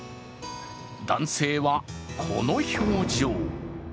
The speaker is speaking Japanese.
男性は、この表情。